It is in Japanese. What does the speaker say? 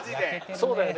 そうだよね。